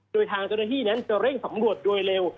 โดยทางเจ้าหน้าที่นั้นจะเร่งสำรวจโดยเร็ว